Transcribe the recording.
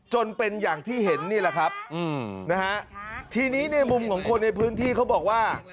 จนเป็นอย่างที่เห็นนี่แหละครับอืมนะฮะทีนี้ในมุมของคนในพื้นที่เขาบอกว่า